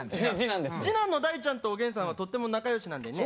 次男の大ちゃんとおげんさんはとっても仲よしなんだよね。